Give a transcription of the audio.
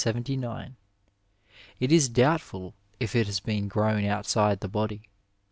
It is doubtful if it has been grown outside the body.